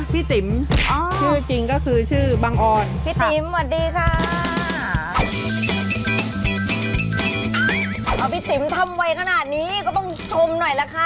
พี่จิ๋มทำไว้ขนาดนี้ก็ต้องชมหน่อยล่ะค่ะ